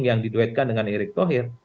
yang diduetkan dengan erik tohir